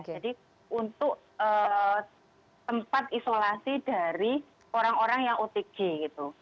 jadi untuk tempat isolasi dari orang orang yang otg gitu